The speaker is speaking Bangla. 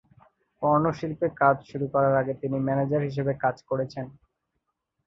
পর্ন শিল্পে কাজ শুরু করার আগে তিনি ম্যানেজার হিসেবে কাজ করেছেন।